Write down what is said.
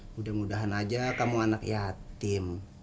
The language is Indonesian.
mudah mudahan aja kamu anak yatim